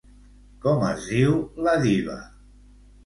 Com es diu la diva?